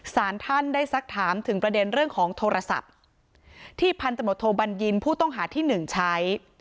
สารท่านได้สักถามถึงประเด็นเรื่องของโทรศัพท์ที่พันธมตโทบัญญินผู้ต้องหาที่หนึ่งใช้